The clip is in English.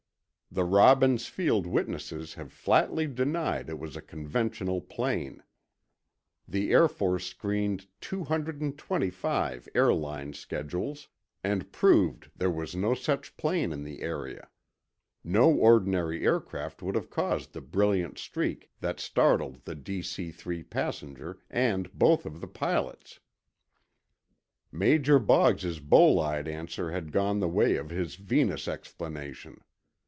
The Robbins Field witnesses have flatly denied it was a conventional plane. The Air Force screened 225 airplane schedules, and proved there was no such plane in the area. No ordinary aircraft would have caused the brilliant streak that startled the DC 3 passenger and both of the pilots. Major Boggs's bolide answer had gone the way of his Venus explanation.